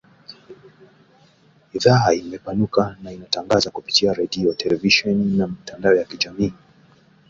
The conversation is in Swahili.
Idhaa imepanuka na inatangaza kupitia redio, televisheni na mitandao ya kijamii